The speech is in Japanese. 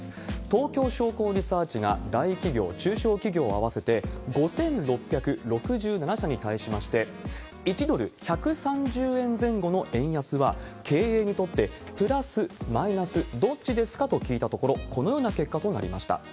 東京商工リサーチが大企業、中小企業合わせて５６６７社に対しまして、１ドル１３０円前後の円安は、経営にとってプラス、マイナス、どっちですか？と聞いたところ、このような結果となりました。